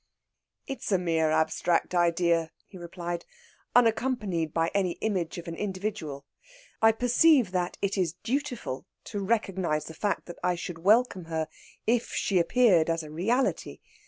"It is a mere abstract idea," he replied, "unaccompanied by any image of an individual. I perceive that it is dutiful to recognise the fact that I should welcome her if she appeared as a reality.